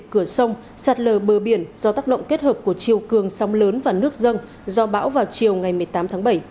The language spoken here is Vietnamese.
cửa sông sạt lờ bờ biển do tác động kết hợp của chiều cường sông lớn và nước dâng do bão vào chiều ngày một mươi tám tháng bảy